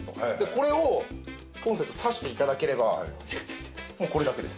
これをコンセント挿して頂ければもうこれだけです。